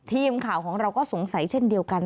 ทีมข่าวของเราก็สงสัยเช่นเดียวกัน